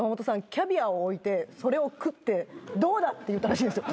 キャビアを置いてそれを食って「どうだ」って言ったらしいんですよ。